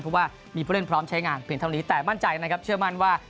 เพราะว่ามีผู้เล่นพร้อมใช้งานเพียงเท่านี้แต่มั่นใจนะครับเชื่อมั่นว่า